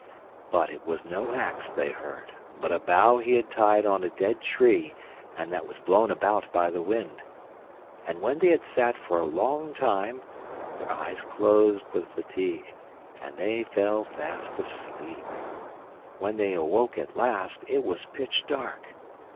But it was no axe they heard, but a bough he had tied on a dead tree, and that was blown about by the wind. And when they had sat for a long time their eyes closed with fatigue, and they fell fast asleep. When they awoke at last it was pitch dark.